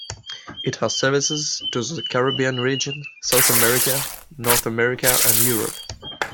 It has services to the Caribbean region, South America, North America and Europe.